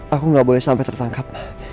aku gak boleh sampai tertangkap